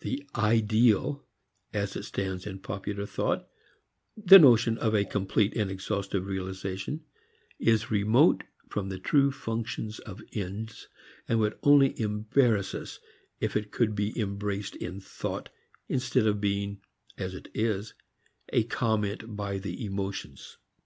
The "ideal" as it stands in popular thought, the notion of a complete and exhaustive realization, is remote from the true functions of ends, and would only embarrass us if it could be embraced in thought instead of being, as it is, a comment by the emotions.